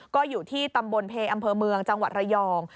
ก็อยู่ที่ตำบลเพอำเภอเมืองจังหวัดระยอง